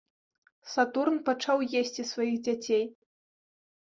Сатурн пачаў есці сваіх дзяцей.